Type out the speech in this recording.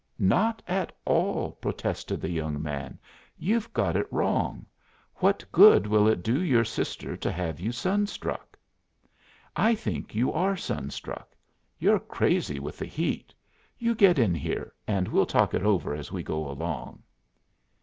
"Not at all," protested the young man. "You've got it wrong. What good will it do your sister to have you sunstruck? I think you are sunstruck. You're crazy with the heat. You get in here, and we'll talk it over as we go along."